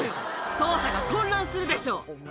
捜査が混乱するでしょ。